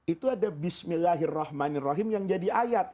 itu ada bismillahirrahmanirrahim yang jadi ayat